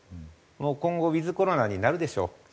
今後ウィズコロナになるでしょう。